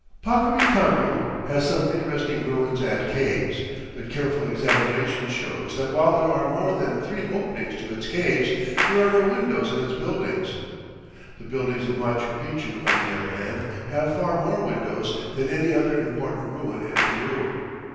Paccaritampu has some interesting ruins and caves, but careful examination shows that while there are more than three openings to its caves, there are no windows in its buildings. The buildings of Machu Picchu, on the other hand, have far more windows than any other important ruin in Peru.